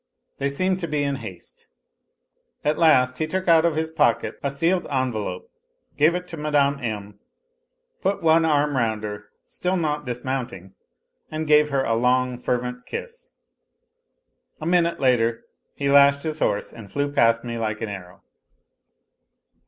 They seemed to be in haste. At last he took out of his pocket a sealed envelope, gave it to Mme. M., put one arm round her, still not dismounting, and gave her a long, fervent kiss. A minute later he lashed his horse and flew past me like an arrow.